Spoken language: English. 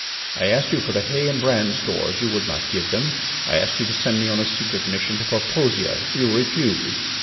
I asked you for the hay and bran stores. You would not give them. I asked you to send me on a secret mission to Porpoisia. You refused.